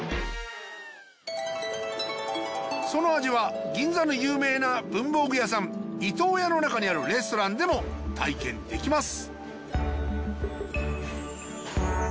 その味は銀座の有名な文房具屋さん伊東屋の中にあるレストランでも体験できます